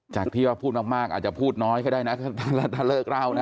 จากที่ว่าพูดมากอาจจะพูดน้อยก็ได้นะถ้าเลิกเล่านะ